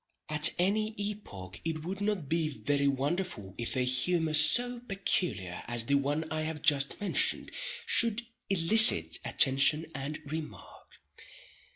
At any epoch it would not be very wonderful if a humor so peculiar as the one I have just mentioned, should elicit attention and remark.